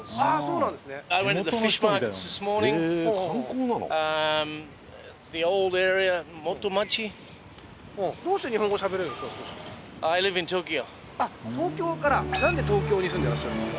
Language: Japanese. なんで東京に住んでらっしゃるんですか？